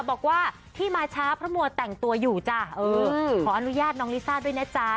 บอกว่าที่มาช้าเพราะมัวแต่งตัวอยู่จ้ะเออขออนุญาตน้องลิซ่าด้วยนะจ๊ะ